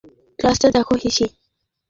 ক্লাসটা দেখ, হিশি।